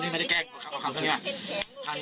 นี่ไม่ได้แกล้งเอาคำเท่านี้